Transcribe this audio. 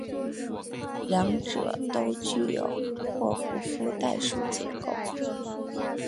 两者都具有霍普夫代数结构。